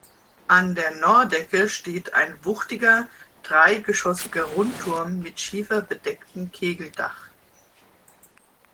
An der Nordecke steht ein wuchtiger, dreigeschossiger Rundturm mit schiefergedecktem Kegeldach.